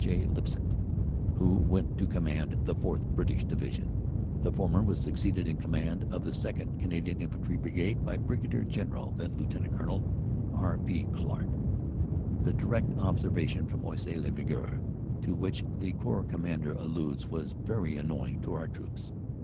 J. Lipsett, who went to command the 4th. (British) Division; the former was succeeded in command of the 2nd. Canadian Infantry Brigade by Brig. General (then Lt. Col.) R. P. Clark." The direct observation from Oisy le Verger to which ihe Corps Commander alludes was very annoying to our troops.